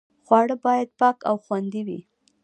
خواړه باید پاک او خوندي وي.